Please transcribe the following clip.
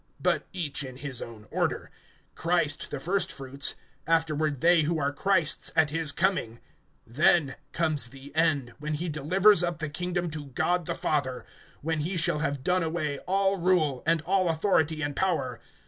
(23)But each in his own order; Christ the first fruits; afterward they who are Christ's at his coming. (24)Then comes the end, when he delivers up the kingdom to God, the Father; when he shall have done away all rule, and all authority and power.